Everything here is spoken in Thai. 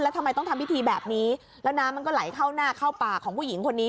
ทำไมต้องทำพิธีแบบนี้แล้วน้ำมันก็ไหลเข้าหน้าเข้าปากของผู้หญิงคนนี้